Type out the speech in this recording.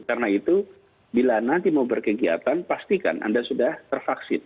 karena itu bila nanti mau berkegiatan pastikan anda sudah tervaksin